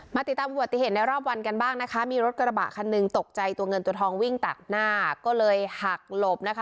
ติดตามอุบัติเหตุในรอบวันกันบ้างนะคะมีรถกระบะคันหนึ่งตกใจตัวเงินตัวทองวิ่งตัดหน้าก็เลยหักหลบนะคะ